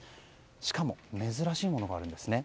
しかも珍しいものがあるんですね。